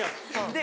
で